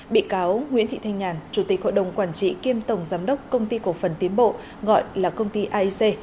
bị cáo nguyễn thị thanh nhàn chủ tịch hội đồng quản trị kiêm tổng giám đốc công ty cổ phần tiến bộ gọi là công ty aic